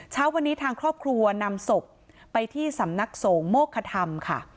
เช้าวันนี้ทางครอบครัวนำศพไปที่สำนักสงฆ์โมกธรรมค่ะ